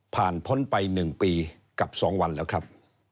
พ้นไป๑ปีกับ๒วันแล้วครับ